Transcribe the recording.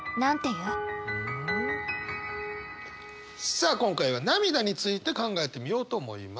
さあ今回は涙について考えてみようと思います。